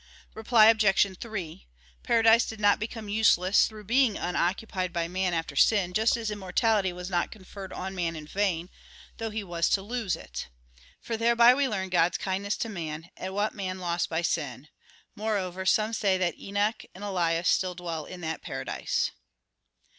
Reply Obj. 3: Paradise did not become useless through being unoccupied by man after sin, just as immortality was not conferred on man in vain, though he was to lose it. For thereby we learn God's kindness to man, and what man lost by sin. Moreover, some say that Enoch and Elias still dwell in that paradise.